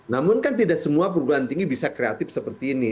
namun kan tidak semua perguruan tinggi bisa kreatif seperti ini